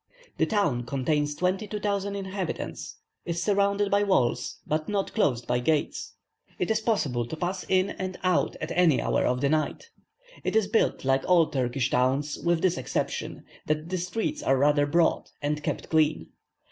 The town contains 22,000 inhabitants, is surrounded by walls, but not closed by gates; it is possible to pass in and out at any hour of the night. It is built like all Turkish towns, with this exception that the streets are rather broad, and kept clean.